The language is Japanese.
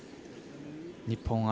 日本